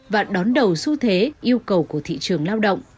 và đón đầu xu thế yêu cầu của thị trường lao động